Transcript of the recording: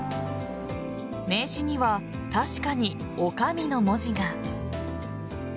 名刺には確かに女将の文字が。